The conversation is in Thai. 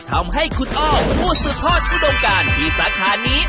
ทำให้คุณอ้อผู้สืบทอดอุดมการที่สาขานี้